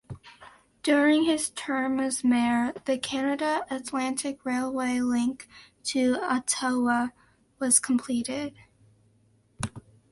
During his term as mayor, the Canada Atlantic Railway link to Ottawa was completed.